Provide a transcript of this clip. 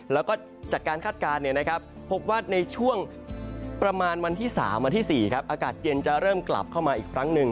แล้วก็จากการคาดการณ์พบว่าในช่วงประมาณวันที่๓วันที่๔อากาศเย็นจะเริ่มกลับเข้ามาอีกครั้งหนึ่ง